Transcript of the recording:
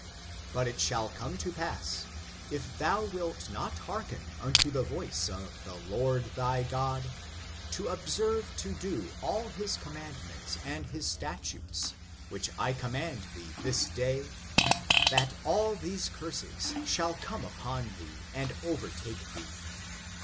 "But it shall come to pass, if thou wilt not hearken unto the voice of the Lord thy Gtod, to observe to do all his commandments and his stat utes which I command thee this day, that all these curses shall come upon thee, and overtake thee.